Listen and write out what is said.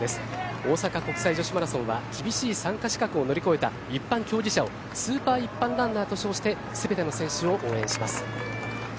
大阪国際女子マラソンは厳しい参加資格を乗り越えた一般競技者をスーパー一般ランナーと称してすべての選手を応援します。